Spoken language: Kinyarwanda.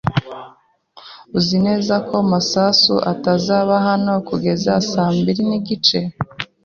Uzi neza ko Masasu atazaba hano kugeza saa mbiri nigice?